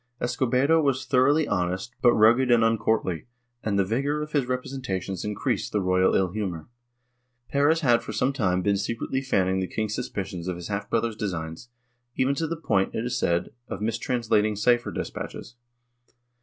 Escobedo was thoroughly honest, but rug ged and uncourtly, and the vigor of his representations increased the royal ill humor. Perez had for some time been secretly fan ning the king's suspicions of his half brother's designs, even to the point, it is said, of mistranslating cypher desi)atches.